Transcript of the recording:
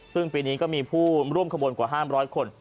ซึ่งปีนี้ก็มีผู้ร่วมขบวนกว่า๕๐๐คน